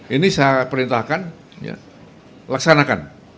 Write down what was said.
ini saya perintahkan laksanakan